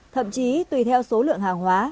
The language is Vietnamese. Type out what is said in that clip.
thậm chí tùy theo số lượng hàng hóa